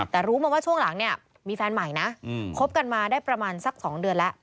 แต่รู้มาว่าช่วงหลังเนี่ยมีแฟนใหม่นะคบกันมาได้ประมาณสัก๒เดือนแล้ว